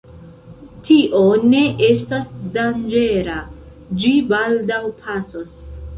Tio ne estas danĝera, ĝi baldaŭ pasos.